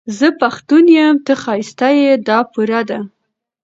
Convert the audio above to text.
زه پښتون يم، ته ښايسته يې، دا پوره ده